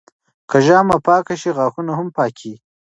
که ژامه پاکه شي، غاښونه هم پاکېږي.